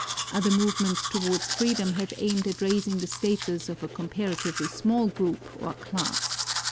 Other movements towards freedom have aimed at raising the status of a comparatively small group or class.